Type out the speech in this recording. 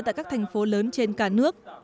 tại các thành phố và các khu vực